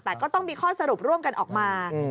แต่ก็ต้องมีข้อสรุปร่วมกันออกมา